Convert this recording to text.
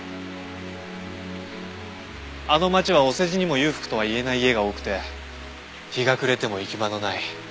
あの町はお世辞にも裕福とは言えない家が多くて日が暮れても行き場のない。